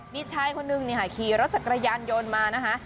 มิตรใช้คนหนึ่งนี่ค่ะขี่รถจักรยานโยนมานะคะ